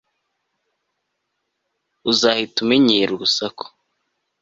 uzahita umenyera urusaku